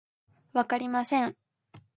わかりません。